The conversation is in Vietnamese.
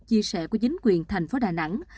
chia sẻ của chính quyền tp đà nẵng